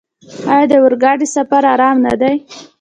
آیا د اورګاډي سفر ارام نه دی؟